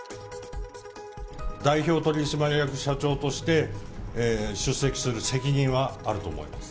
代表取締役社長として、出席する責任はあると思います。